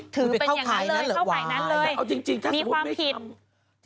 ถือเป็นอย่างนั้นเลยเข้าข่ายนั้นเลยมีความผิดอุ๊ยถือเป็นอย่างนั้นเลยเข้าข่ายนั้นเลย